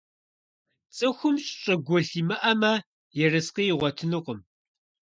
ЦӀыхум щӀыгулъ имыӀэмэ, ерыскъы игъуэтынукъым.